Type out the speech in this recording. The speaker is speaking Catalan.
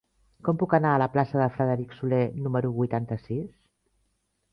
Com puc anar a la plaça de Frederic Soler número vuitanta-sis?